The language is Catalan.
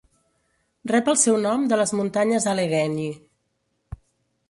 Rep el seu nom de les muntanyes Allegheny.